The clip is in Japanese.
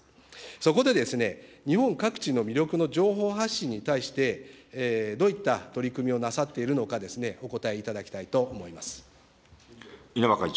そこで、日本各地の魅力の情報発信に対して、どういった取り組みをなさっているのか、お答えいただきたいと思います。